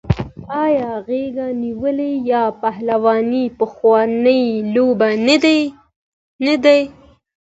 آیا غیږ نیول یا پهلواني پخوانۍ لوبه نه ده؟